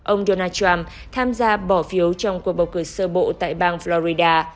ông donald trump tham gia bỏ phiếu trong cuộc bầu cử sơ bộ tại bang florida